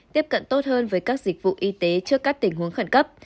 tiếp cận tốt hơn với các dịch vụ y tế trước các tình huống khẩn cấp